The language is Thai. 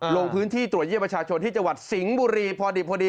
ลงพื้นที่ตรวจเยี่ยมประชาชนที่จังหวัดสิงห์บุรีพอดี